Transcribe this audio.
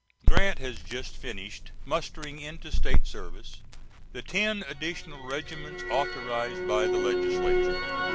[Grant has just finished mustering into State service the ten additional regiments authorized by the Legislature.